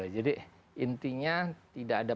jadi intinya tidak ada